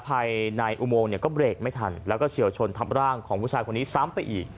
ภายในอุโมงเนี่ยก็เบรกไม่ทันแล้วก็เฉียวชนทับร่างของผู้ชายคนนี้ซ้ำไปอีก